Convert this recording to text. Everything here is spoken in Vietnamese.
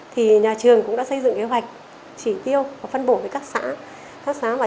nhà trường cũng đã xây dựng kế hoạch chỉ tiêu và phân bổ với các xã